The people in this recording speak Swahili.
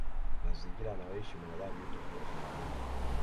mazingira anayoishi mwanadamu ni tofauti na blob